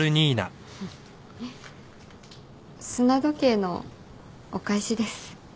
砂時計のお返しです。